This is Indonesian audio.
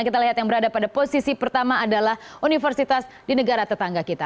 kita lihat yang berada pada posisi pertama adalah universitas di negara tetangga kita